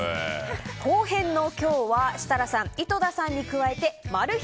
後編の今日は設楽さん、井戸田さんに加えてマル秘